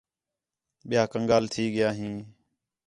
ٻِیا کنگال تھی ڳِیا ہیں